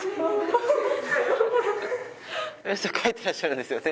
書いてらっしゃるんですよね？